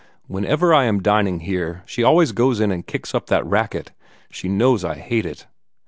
"Whenever I am dining here, she always goes in and kicks up that racket. She knows I hate it."